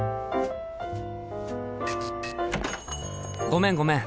ごめんごめん。